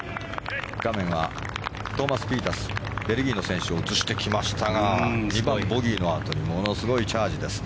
画面はトーマス・ピータースベルギーの選手ですが２番、ボギーのあとにものすごいチャージです。